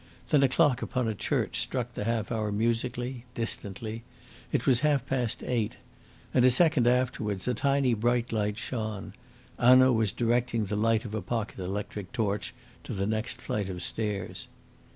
Then a clock upon a church struck the half hour musically, distantly. It was half past eight. And a second afterwards a tiny bright light shone. Hanaud was directing the light of a pocket electric torch to the next flight of stairs.